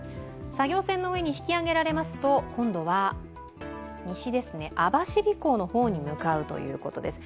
作業船の上に引き揚げられますと今度は西、網走港の方に向かうということです。